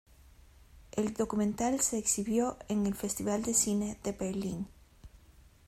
El documental se exhibió en el Festival de Cine de Berlín.